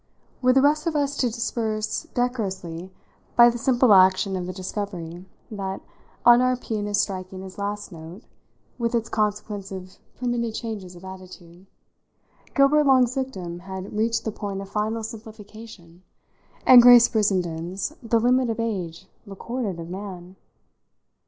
Were the rest of us to disperse decorously by the simple action of the discovery that, on our pianist's striking his last note, with its consequence of permitted changes of attitude, Gilbert Long's victim had reached the point of final simplification and Grace Brissenden's the limit of age recorded of man?